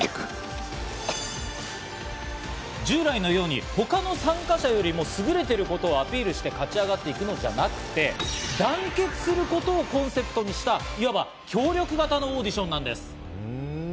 従来のように他の参加者よりも優れていることをアピールして勝ち上がっていくのではなくて、団結することをコンセプトにした、いわば協力型のオーディションなんです。